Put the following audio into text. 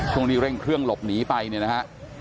ตรงนี้เร่งเครื่องหลบหนีไปนะคะ